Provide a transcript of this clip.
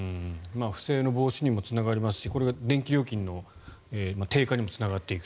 不正の防止にもつながるしこれが電気料金の低下にもつながっていくと。